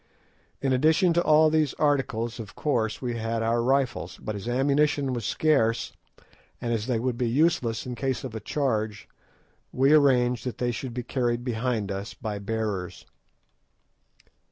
In addition to all these articles, of course we had our rifles, but as ammunition was scarce, and as they would be useless in case of a charge, we arranged that they should be carried behind us by bearers.